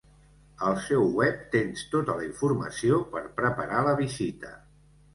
Al seu web tens tota la informació per preparar la visita.